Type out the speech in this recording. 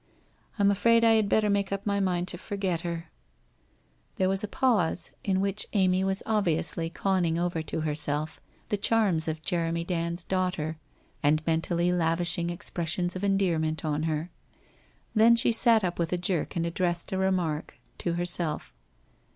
I am afraid I had better make up my mind to forget her ' There was a pause, in which Amy was obviously conning over to herself the charms of Jeremy Dand's daughter and mentally lavishing expressions of endearment on her. Then she sat up with a jerk and addressed a remark — to herself.